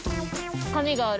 紙がある。